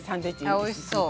あおいしそう。